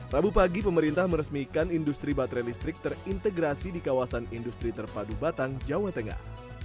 rabu pagi pemerintah meresmikan industri baterai listrik terintegrasi di kawasan industri terpadu batang jawa tengah